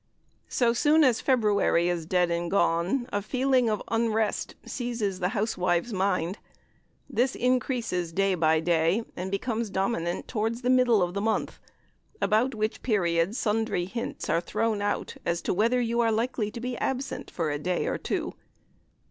So soon as February is dead and gone, a feeling of unrest seizes the housewife's mind. This increases day by day, and becomes dominant towards the middle of the month, about which period sundry hints are thrown out as to whether you are likely to be absent for a day or two.